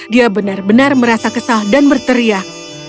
dia benar benar merasa kesal dan berteriak